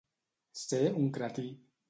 Ser un cretí.